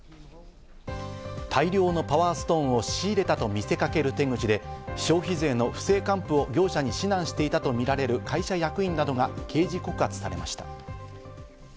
大量のパワーストーンを仕入れたと見せかける手口で消費税の不正還付を業者に指南していたとみられる、会社役員などが刑事告発されました。